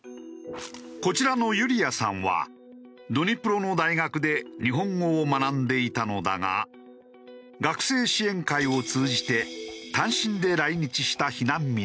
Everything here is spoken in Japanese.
こちらのユリヤさんはドニプロの大学で日本語を学んでいたのだが学生支援会を通じて単身で来日した避難民の１人。